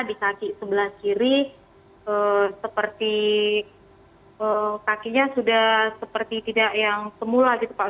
di kaki sebelah kiri seperti kakinya sudah seperti tidak yang semula gitu pak